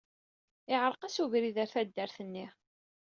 Iɛreq-as ubrid ɣer taddart-nni.